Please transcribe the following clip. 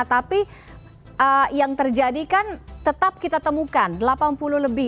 tapi yang terjadi kan tetap kita temukan delapan puluh lebih